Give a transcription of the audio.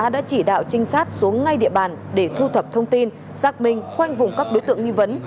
đã chỉ đạo trinh sát xuống ngay địa bàn để thu thập thông tin xác minh khoanh vùng các đối tượng nghi vấn